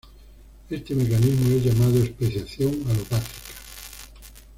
Este mecanismo es llamado especiación alopátrica.